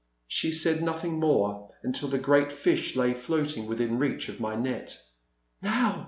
She said nothing more until the great fish lay floating within reach of my net, " Now